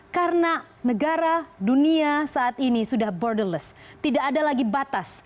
karena negara dunia saat ini sudah borderless tidak ada lagi batas